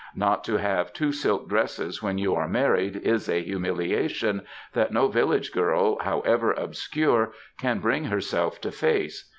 Not to have two silk dresses when you are married is a humilia tion that no village girl, however obscure, can bring herself to face.